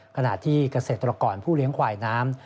ขณะที่เกษตรกรผู้เลี้ยงควายน้ำ